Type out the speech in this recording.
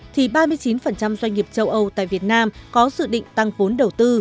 thì ba mươi chín doanh nghiệp châu âu tại việt nam có dự định tăng vốn đầu tư